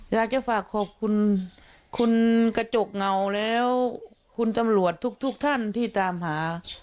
อยากจะฝากขอบคุณคุณกระจกเงาแล้วคุณตำรวจทุกท่านที่ตามหา